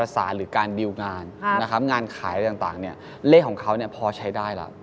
ฉะนั้นเนี่ยพี่การ